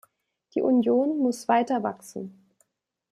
Die Union muss weiter wachsen.